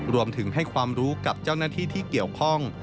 รวมถึงให้ความรู้กับเจ้าหน้าที่ที่เกี่ยวข้อง